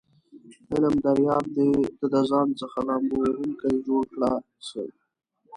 علم دریاب دی ته دځان څخه لامبو وهونکی جوړ کړه س